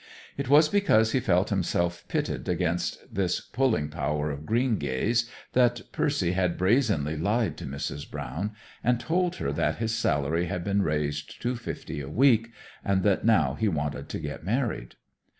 It was because he felt himself pitted against this pulling power of Greengay's that Percy had brazenly lied to Mrs. Brown, and told her that his salary had been raised to fifty a week, and that now he wanted to get married.